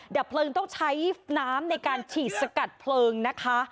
ดับเพลิงต้องใช้น้ำในการฉีดสกัดเพลิงนะคะ